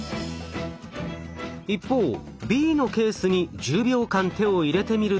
一方Ｂのケースに１０秒間手を入れてみると。